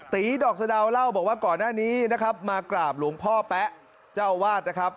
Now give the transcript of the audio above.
ดอกสะดาวเล่าบอกว่าก่อนหน้านี้นะครับมากราบหลวงพ่อแป๊ะเจ้าอาวาสนะครับ